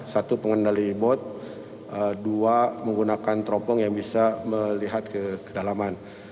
satu pengendali bot dua menggunakan teropong yang bisa melihat ke kedalaman